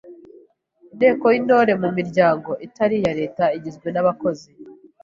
Inteko y’Intore mu miryango itari iya Leta igizwe n’abakozi